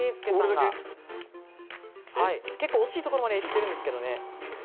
惜しいところまでいってるんですけどね。